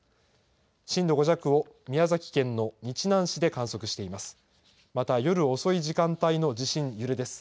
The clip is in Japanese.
震度５弱を宮崎県の日南市で観測しています。